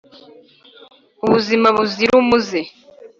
Ubuzima buzira umuze